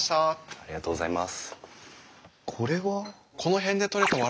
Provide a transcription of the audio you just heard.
ありがとうございます。